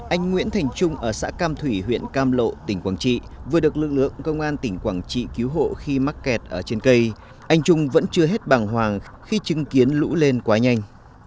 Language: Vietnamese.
anh nguyễn thành trung ở xã cam thủy huyện cam lộ tỉnh quảng trị vừa được lực lượng công an tỉnh quảng trị cứu hộ khi mắc kẹt ở trên cây anh trung vẫn chưa hết bằng hoàng khi chứng kiến lũ lên quá nhanh